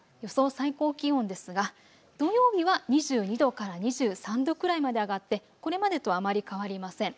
最高気温ですが土曜日は２２度から２３度くらいまで上がってこれまでとあまり変わりません。